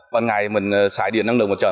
bằng ngày mình xài điện năng lượng mặt trời